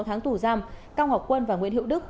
sáu tháng tù giam cao ngọc quân và nguyễn hữu đức